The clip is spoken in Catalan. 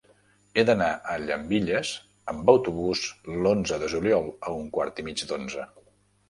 He d'anar a Llambilles amb autobús l'onze de juliol a un quart i mig d'onze.